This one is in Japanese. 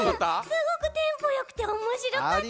すごくテンポよくておもしろかったち。